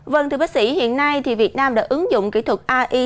vâng thưa bác sĩ hiện nay thì việt nam đã ứng dụng kỹ thuật ai